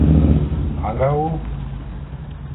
A nga wu.